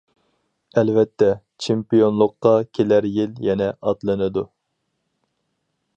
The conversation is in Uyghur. ئەلۋەتتە، چېمپىيونلۇققا كېلەر يىل يەنە ئاتلىنىدۇ.